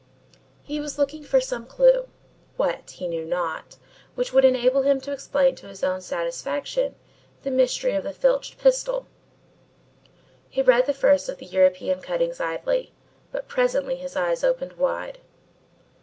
He was looking for some clue what he knew not which would enable him to explain to his own satisfaction the mystery of the filched pistol. He read the first of the European cuttings idly, but presently his eyes opened wide.